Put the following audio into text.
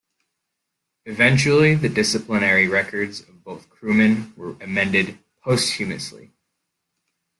Eventually, the disciplinary records of both crewmen were amended posthumously.